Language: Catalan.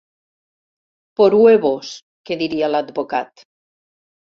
“Por huebos”, que diria l'advocat.